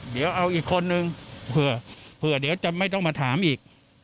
เดี๋ยวเอาอีกคนนึงเผื่อเดี๋ยวจะไม่ต้องมาถามอีก